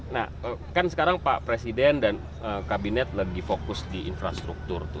nah kan sekarang pak presiden dan kabinet lagi fokus di infrastruktur